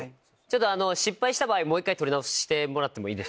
失敗した場合もう一回撮り直ししてもらってもいいですか？